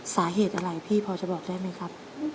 สาเหตุอะไรพี่พอจะบอกได้ไหมครับ